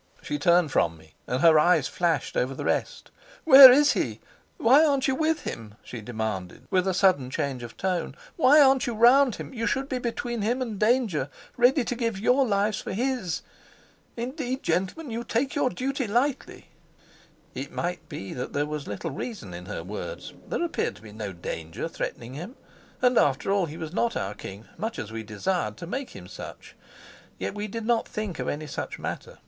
She turned from me and her eyes flashed over the rest. "Where is he? Why aren't you with him?" she demanded, with a sudden change of tone; "why aren't you round him? You should be between him and danger, ready to give your lives for his. Indeed, gentlemen, you take your duty lightly." It might be that there was little reason in her words. There appeared to be no danger threatening him, and after all he was not our king, much as we desired to make him such. Yet we did not think of any such matter.